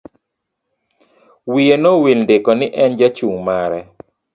Wiye nowil ndiko ni en jachung' mare.